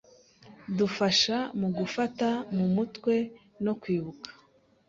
dufasha mu gufata mu mutwe no kwibuka